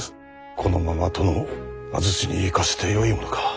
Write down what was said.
このまま殿を安土に行かせてよいものか。